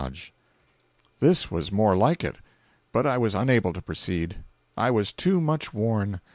"This was more like it. But I was unable to proceed. I was too much worn.